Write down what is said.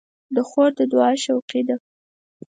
خور د دعا شوقي ده.